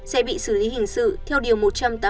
sẽ bị xử lý hình sự theo điều